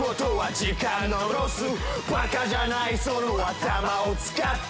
バカじゃないその頭を使って